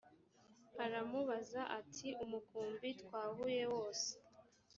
aramubaza ati umukumbi twahuye wose